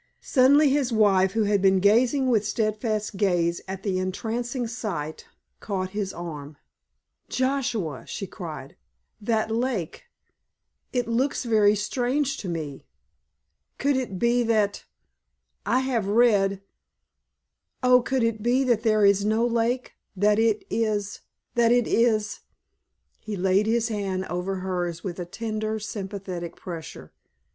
Suddenly his wife, who had been gazing with steadfast gaze at the entrancing sight, caught his arm. "Joshua"—she cried,—"that lake—it looks very strange to me! Could it be that—I have read—oh, could it be that there is no lake—that it is—that it is——" He laid his hand over hers with a tender, sympathetic pressure.